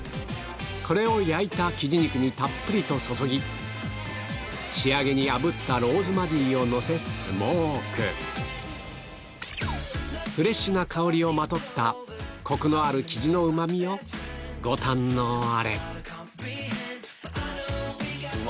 これを焼いた雉肉にたっぷりと注ぎ仕上げにあぶったローズマリーをのせスモークフレッシュな香りをまとったコクのある雉のうま味をご堪能あれうわ！